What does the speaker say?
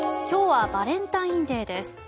今日はバレンタインデーです。